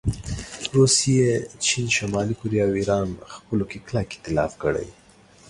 روسیې، چین، شمالي کوریا او ایران خپلو کې کلک ایتلاف کړی